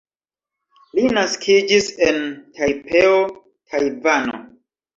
Li naskiĝis en Tajpeo, Tajvano.